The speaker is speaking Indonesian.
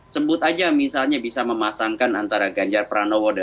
sebut aja misalnya bisa memasangkan antara ganjar pranowo dan anies baswedan